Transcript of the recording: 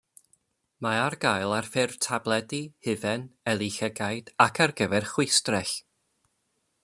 Mae ar gael ar ffurf tabledi, hufen, eli llygaid ac ar gyfer chwistrell.